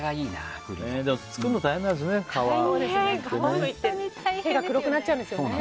でも作るの手が黒くなっちゃうんですよね。